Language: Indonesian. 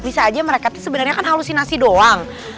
bisa aja mereka sebenarnya kan halusinasi doang